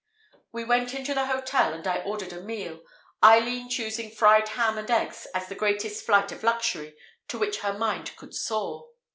We went into the hotel and I ordered a meal, Eileen choosing fried ham and eggs as the greatest flight of luxury to which her mind could soar.